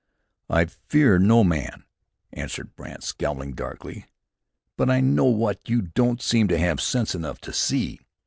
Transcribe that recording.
"I fear no man," answered Brandt, scowling darkly. "But I know what you don't seem to have sense enough to see.